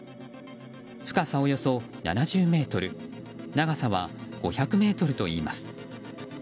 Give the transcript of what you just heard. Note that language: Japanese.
深さ、およそ７０ｍ長さは５００ｍといいます。